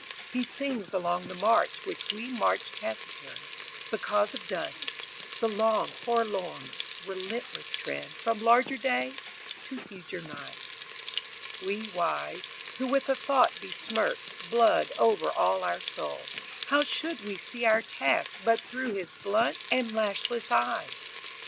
He sings along the march Which we march taciturn, because of dusk, The long, forlorn, relentless trend From larger day to huger night. V We wise, who with a thought besmirch Blood over all our soul, How should we see our task But through his blunt and lashless eyes?